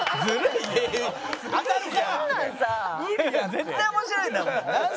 絶対面白いんだもん。